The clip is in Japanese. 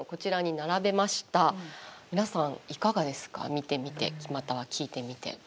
見てみてまたは聞いてみて。